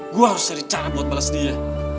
gue harus cari cara buat balas dia